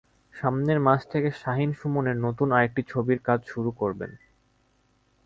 সামনের মাস থেকে শাহীন সুমনের নতুন আরেকটি ছবির কাজ শুরু করবেন।